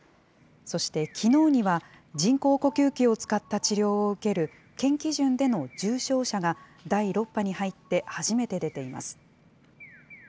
そしてきのうには、人工呼吸器を使った治療を受ける県基準での重症者が第６波に入って初めて出ています。